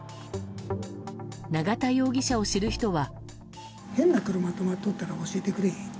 永田容疑者を知る人は。